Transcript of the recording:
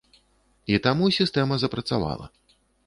І таму сістэма запрацавала.